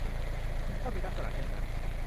ก็มีลักษณะเช่นนั้น